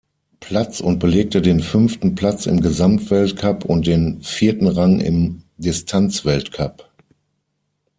Platz und belegte den fünften Platz im Gesamtweltcup und den vierten Rang im Distanzweltcup.